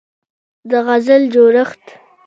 د غزل جوړښت